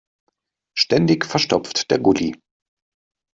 Ständig verstopft der Gully.